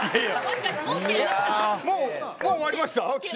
もう終わりました。